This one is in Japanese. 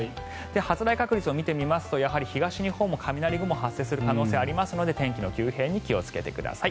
発雷確率を見てみますと東日本も雷雲、発生する可能性がありますので天気の急変に気をつけてください。